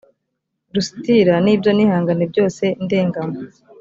lusitira n ibyo nihanganiye byose ndenganywa